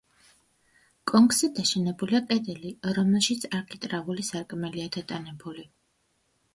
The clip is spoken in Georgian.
კონქზე დაშენებულია კედელი, რომელშიც არქიტრავული სარკმელია დატანებული.